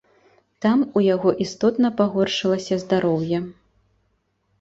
Там у яго істотна пагоршылася здароўе.